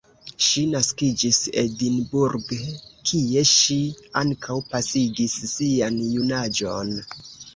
Ŝi naskiĝis Edinburgh, kie ŝi ankaŭ pasigis sian junaĝon.